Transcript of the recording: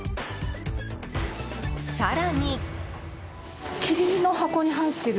更に。